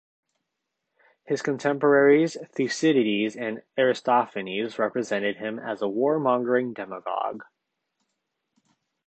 His contemporaries Thucydides and Aristophanes represented him as a warmongering demagogue.